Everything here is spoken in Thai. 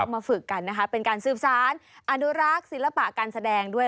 มาฝึกกันนะคะเป็นการสืบสารอนุรักษ์ศิลปะการแสดงด้วย